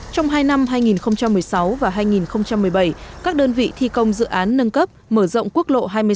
trong hai năm hai nghìn một mươi sáu và hai nghìn một mươi bảy các đơn vị thi công dự án nâng cấp mở rộng quốc lộ hai mươi sáu